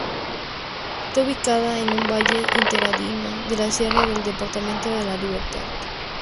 Está ubicada en un valle interandino de la sierra del Departamento de la Libertad.